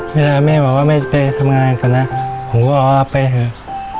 แม่บอกว่าแม่จะไปทำงานก่อนนะผมก็บอกว่าไปเถอะ